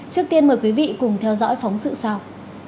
trước tiên mời quý vị cùng theo dõi phóng sự sau